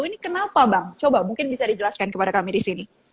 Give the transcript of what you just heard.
ini kenapa bang coba mungkin bisa dijelaskan kepada kami di sini